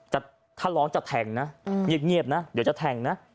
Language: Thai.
แต่ท่านร้องจะแทงนะอืมเงียบเงียบนะเดี๋ยวจะแทงนะ